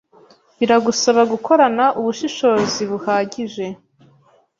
biragusaba gukorana ubushishozi buhagije